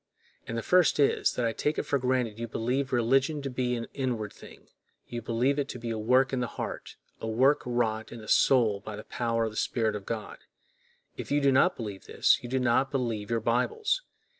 And the first is, that I take it for granted you believe religion to be an inward thing; you believe it to be a work in the heart, a work wrought in the soul by the power of the Spirit of God. If you do not believe this, you do not believe your Bibles.